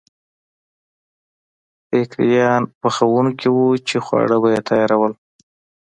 بېکریان پخوونکي وو چې خواړه به یې تیارول.